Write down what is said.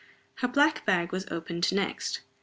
Her black bag was opened next.